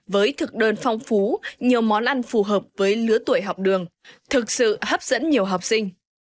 với thực đơn phong phú nhiều món ăn phù hợp với lứa tuổi học đường thực sự hấp dẫn nhiều học sinh